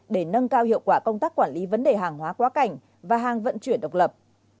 để nâng cao hiệu quả công tác quản lý vấn đề hàng hóa quá cảnh và hàng vận chuyển độc lập